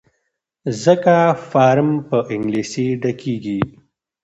ځکه فارم په انګلیسي ډکیږي.